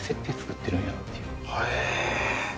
へえ！